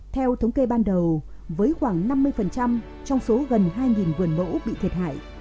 theo thống kê ban đầu với khoảng năm mươi trong số gần hai vườn mẫu bị thiệt hại